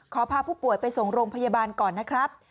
พาผู้ป่วยไปส่งโรงพยาบาลก่อนนะครับ